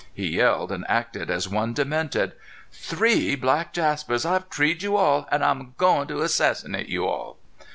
He yelled and acted as one demented. "Three black Jaspers! I've treed you all. An' I'm agoin' to assassinate you all!"